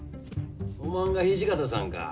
おまんが土方さんか。